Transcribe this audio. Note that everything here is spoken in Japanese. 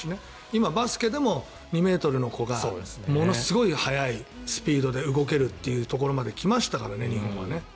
今、バスケでも２ｍの子がものすごい速いスピードで動けるというところまで来ましたからね、日本は。